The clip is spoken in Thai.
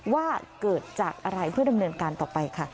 ว่าเกิดจากอะไรเพื่อดำเนินการต่อไปค่ะ